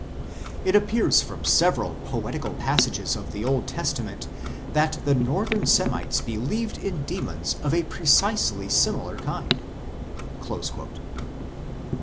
It appears from several poetical passages of the Old Testament that the northern Semites believed in demons of a precisely similar kind."